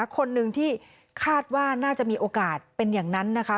คนหนึ่งที่คาดว่าน่าจะมีโอกาสเป็นอย่างนั้นนะคะ